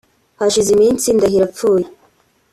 Hashize iminsi Ndahiro apfuye